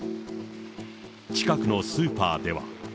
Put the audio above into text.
近くのスーパーでは。